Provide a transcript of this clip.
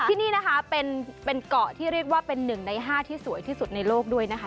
ที่นี่นะคะเป็นเกาะที่เรียกว่าเป็น๑ใน๕ที่สวยที่สุดในโลกด้วยนะคะ